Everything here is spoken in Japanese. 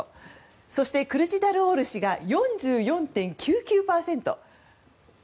そして、クルチダルオール氏が４４．９９％。